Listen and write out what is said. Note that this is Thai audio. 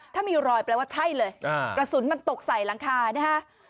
ถ้ามีรอยแปลว่าใช่เลยกระสุนมันตกใส่หลังคานะฮะ